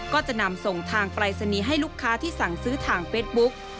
ก็จะนำส่งทางปรายศนีย์ให้ลูกค้าที่สั่งซื้อทางเฟซบุ๊ก